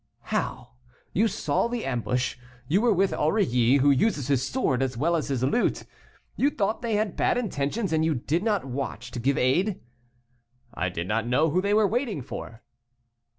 "How! you saw the ambush, you were with Aurilly, who uses his sword as well as his lute, you thought they had bad intentions, and you did not watch to give aid?" "I did not know who they were waiting for."